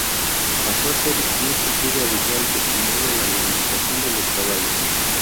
Pasó a ser un cultivo habitual destinado a la alimentación de los caballos.